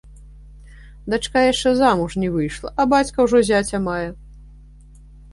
Дачка яшчэ замуж не выйшла, а бацька ўжо зяця мае!